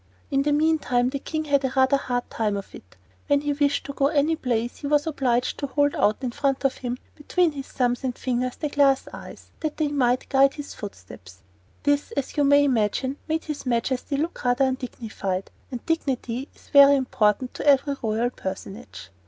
In the meantime the King had a rather hard time of it. When he wished to go any place he was obliged to hold out in front of him, between his thumbs and fingers, the glass eyes, that they might guide his footsteps. This, as you may imagine, made his Majesty look rather undignified, and dignity is very important to every royal personage.